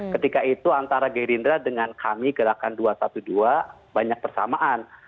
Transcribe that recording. ketika itu antara gerindra dengan kami gerakan dua ratus dua belas banyak persamaan